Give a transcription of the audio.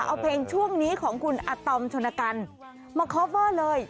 เอาเพลงช่วงนี้ของคุณอาตอมชนกันมาคอฟเวอร์เลย